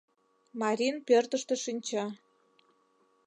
Марин пӧртыштӧ шинча